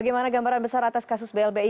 gimana gambaran besar atas kasus blbi